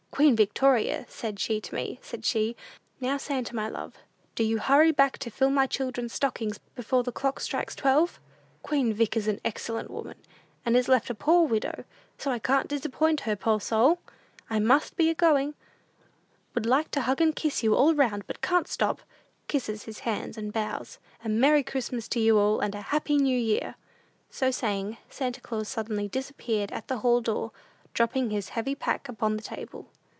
Queen Victoria, said she to me, said she, 'Now, Santa, my love, do you hurry back to fill my children's stockings before the clock strikes twelve.' Queen Vic is an excellent woman, and is left a poor widow; so I can't disappoint her, poor soul! "I must be a goin'! Would like to hug and kiss you all round, but can't stop. (Kisses his hand and bows.) A Merry Christmas to you all, and a Happy New Year." So saying, Santa Claus suddenly disappeared at the hall door, dropping his heavy pack upon the table.